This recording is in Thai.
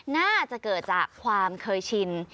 น่าจะเกิดจากความเคยชิน